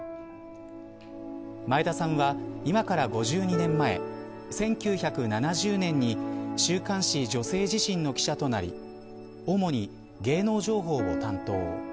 前田さんは、今から５２年前１９７０年に週刊誌、女性自身の記者となり主に芸能情報を担当。